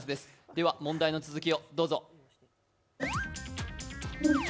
では問題の続きをどうぞ。